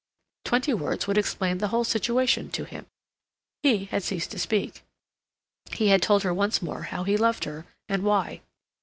Twenty words would explain the whole situation to him. He had ceased to speak; he had told her once more how he loved her and why.